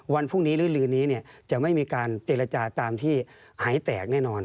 วันพรุ่งนี้รื่นนี้เนี่ยจะไม่มีการเปรียรจาตามที่หายแตกแน่นอน